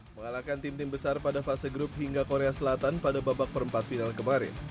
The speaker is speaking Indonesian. mengalahkan tim tim besar pada fase grup hingga korea selatan pada babak perempat final kemarin